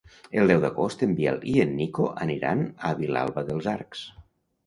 El deu d'agost en Biel i en Nico aniran a Vilalba dels Arcs.